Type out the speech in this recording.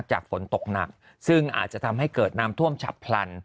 ฝนตกหนักซึ่งอาจจะทำให้เกิดน้ำท่วมฉับพลัน